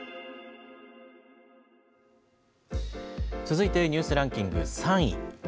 続いてニュースランキング３位。